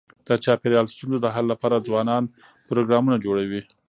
د چاپېریال ستونزو د حل لپاره ځوانان پروګرامونه جوړوي.